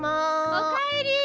おかえり！